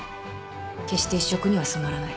決して一色には染まらない。